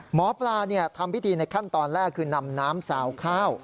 หมอปลาทำพิธีในขั้นตอนแรกคือนำน้ำสาวข้าว